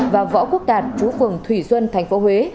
và võ quốc đạt chú phường thủy xuân tp huế